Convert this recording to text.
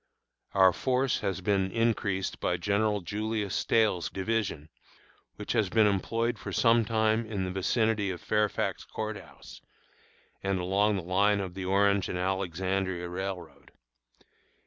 Our force has been increased by General Julius Stahel's division, which has been employed for some time in the vicinity of Fairfax Court House, and along the line of the Orange and Alexandria Railroad.